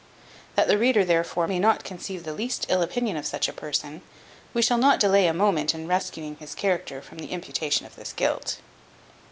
That the reader, therefore, may not conceive the least ill opinion of such a person, we shall not delay a moment in rescuing his character from the imputation of this guilt.